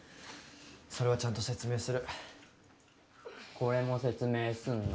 それはちゃんと説明するこれも説明すんの？